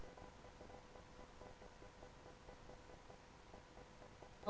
ฝือมาเท่าไหร่มันเรารู้ละครับ